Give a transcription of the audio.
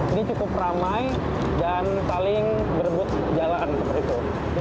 ini cukup ramai dan saling berebut jalan seperti itu